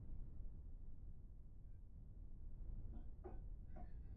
mabadiliko ya tabia ili kuzingatia maisha yanayolenga afya bora zaidi